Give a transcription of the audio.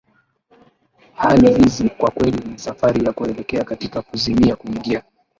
Hali hizi kwa kweli ni safari ya kuelekea katika kuzimia kuingia